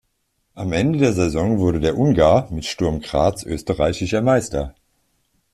Am Ende der Saison wurde der Ungar mit Sturm Graz österreichischer Meister.